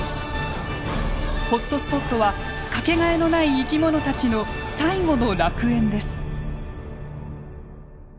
ホットスポットは掛けがえのない生き物たちの最後の楽園です。